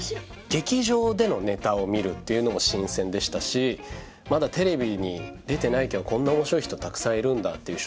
劇場でのネタを見るっていうのも新鮮でしたしまだテレビに出てないけどこんな面白い人たくさんいるんだっていう衝撃もありましたし。